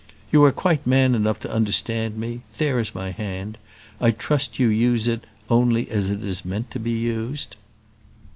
"You are quite man enough to understand me: there is my hand; I trust you use it only as it is meant to be used."